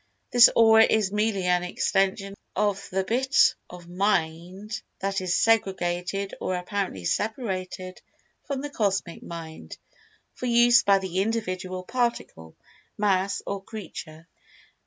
This Aura is merely an extension of the bit of Mind that is segregated or apparently separated from the Cosmic Mind, for use by the individual Particle, Mass, or Creature.